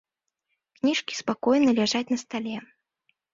Кніжкі спакойна ляжаць на стале.